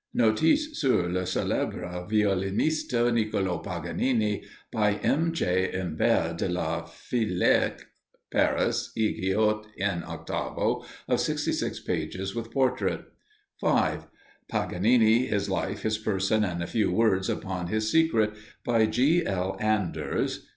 "Notice sur le célèbre violoniste Nicolo Paganini," by M. J. Imbert de la Phalèque. Paris, E. Guyot, in 8vo, of 66 pages, with portrait. 5. "Paganini, his Life, his Person, and a few Words upon his Secret," by G. L. Anders.